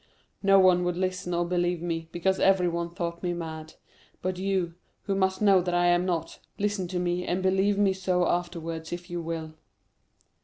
No one would listen or believe me, because everyone thought me mad; but you, who must know that I am not, listen to me, and believe me so afterwards if you will."